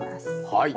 はい。